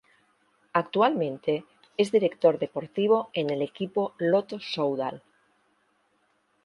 Actualmente es director deportivo en el equipo Lotto Soudal.